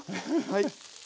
はい。